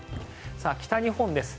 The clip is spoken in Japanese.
北日本です。